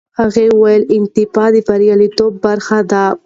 هغه وویل، انعطاف د بریالیتوب برخه ده.